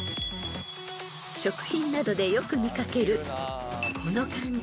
［食品などでよく見掛けるこの漢字］